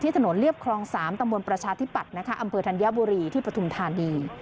ถนนเรียบคลอง๓ตำบลประชาธิปัตย์อำเภอธัญบุรีที่ปฐุมธานี